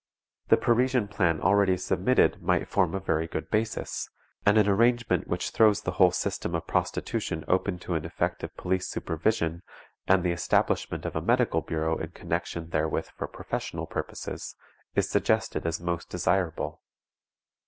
The Parisian plan already submitted might form a very good basis; and an arrangement which throws the whole system of prostitution open to an effective police supervision, and the establishment of a medical bureau in connection therewith for professional purposes, is suggested as most desirable.